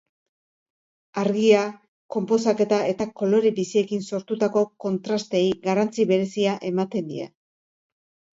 Argia, konposaketa eta kolore biziekin sortutako kontrasteei garrantzi berezia ematen die.